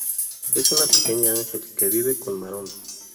Es una pequeña ángel que vive con Maron.